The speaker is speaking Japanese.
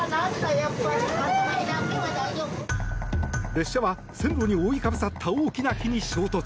列車は線路に覆いかぶさった大きな木に衝突。